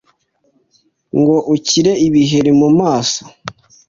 ngo ukire ibiheri mu maso,